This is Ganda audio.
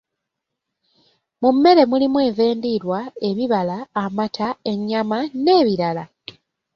Mu mmere mulimu enva endiirwa, ebibala, amata, ennyama, n'ebirala